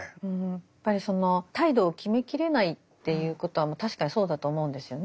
やっぱりその態度を決めきれないっていうことは確かにそうだと思うんですよね。